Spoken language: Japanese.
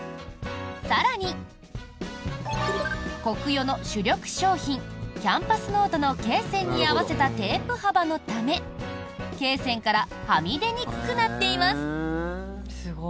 更に、コクヨの主力商品キャンパスノートのけい線に合わせたテープ幅のためけい線からはみ出にくくなっています。